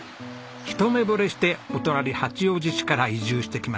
ひと目ぼれしてお隣八王子市から移住してきました。